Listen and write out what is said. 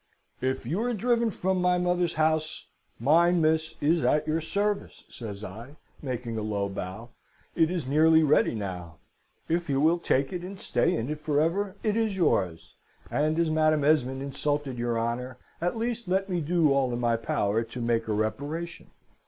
"'If you are driven from my mother's house, mine, miss, is at your service,' says I, making her a low bow. 'It is nearly ready now. If you will take it and stay in it for ever, it is yours! And as Madam Esmond insulted your honour, at least let me do all in my power to make a reparation!'